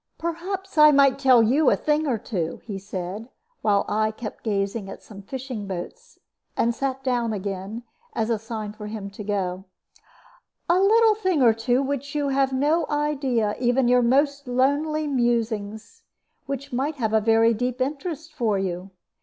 "Perhaps I might tell you a thing or two," he said, while I kept gazing at some fishing boats, and sat down again, as a sign for him to go "a little thing or two of which you have no idea, even in your most lonely musings, which might have a very deep interest for you.